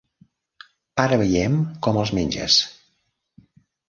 Ara veiem com els menges.